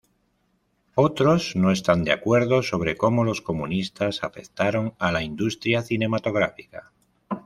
Otros no están de acuerdo sobre cómo los comunistas afectaron a la industria cinematográfica.